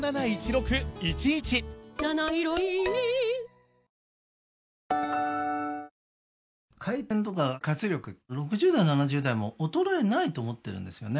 週末はまた晴れて回転とか活力６０代７０代も衰えないと思ってるんですよね